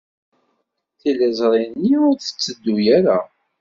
Tiliẓri-nni ur tetteddu ara.